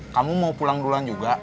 kamu mau pulang duluan juga